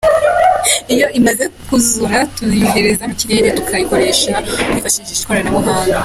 Iyo imaze kuzura, tuyohereza mu kirere tukayikoresha twifashije ikoranabuhanga.